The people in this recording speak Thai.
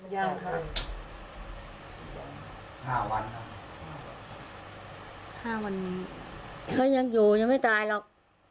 ยังค่ะห้าวันครับห้าวันเขายังอยู่ยังไม่ตายหรอก